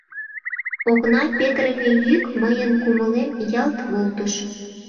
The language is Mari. Окна петырыме йӱк мыйын кумылем ялт волтыш.